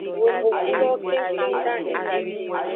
Yovogbulowo kengkeng dahen.